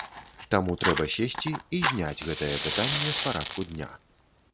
Таму трэба сесці і зняць гэтае пытанне з парадку дня.